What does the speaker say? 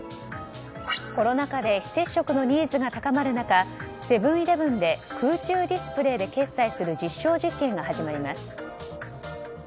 コロナ禍で非接触のニーズが高まる中セブン‐イレブンで空中ディスプレーで決済する実証実験が始まります。